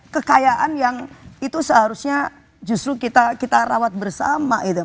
kekayaan yang itu seharusnya justru kita rawat bersama gitu